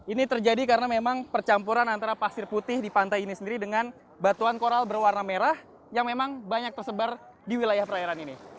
ini terjadi karena memang percampuran antara pasir putih di pantai ini sendiri dengan batuan koral berwarna merah yang memang banyak tersebar di wilayah perairan ini